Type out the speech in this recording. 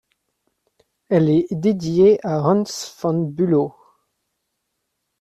Elle est dédiée à Hans von Bülow.